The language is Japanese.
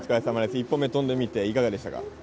１本目飛んでみて、いかがでしたか？